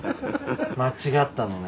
間違ったのね。